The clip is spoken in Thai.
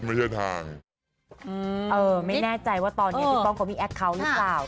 ไม่แน่ใจว่าตอนนี้พี่ป้องก็มีแอคคาวต์หรือกัล